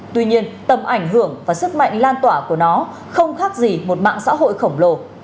tuy nhiên tầm ảnh hưởng và sức mạnh lan tỏa của nó không khác gì một mạng xã hội khổng lồ